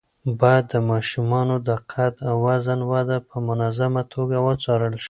باید د ماشومانو د قد او وزن وده په منظمه توګه وڅارل شي.